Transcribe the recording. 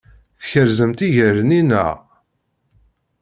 Tkerzemt iger-nni, naɣ?